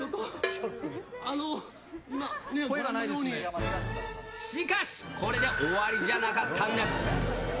あの、しかし、これで終わりじゃなかったんです。